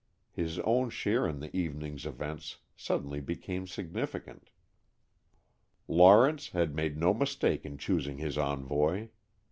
His own share in the evening's events suddenly became significant. Lawrence had made no mistake in choosing his envoy.